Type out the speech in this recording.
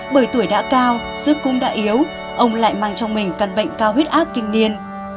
bởi tuổi đã cao sức cũng đã yếu ông lại mang trong mình căn bệnh cao huyết áp kinh niên